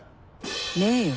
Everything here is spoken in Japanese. ねえよ